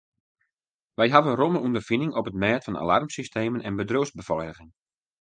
Wy hawwe romme ûnderfining op it mêd fan alarmsystemen en bedriuwsbefeiliging.